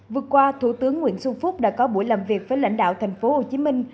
vừa qua thủ tướng nguyễn xuân phúc đã có buổi làm việc với lãnh đạo thành phố hồ chí minh